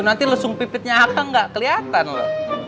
nanti lesung pipitnya aku gak kelihatan loh